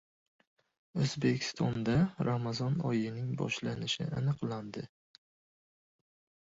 O‘zbekistonda Ramazon oyining boshlanishi aniqlandi